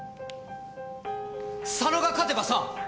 佐野が勝てばさ。